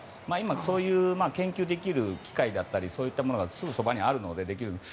そういう研究できる機械やそういったものがすぐそばにあるのでできます。